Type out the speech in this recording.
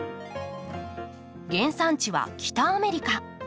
原産地は北アメリカ。